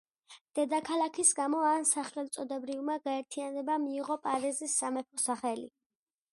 დედაქალაქის გამო ამ სახელმწიფოებრივმა გაერთიანებამ მიიღო პარიზის სამეფოს სახელი.